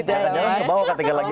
jangan kebawa kategori lagi